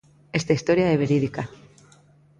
Esta historia é verídica.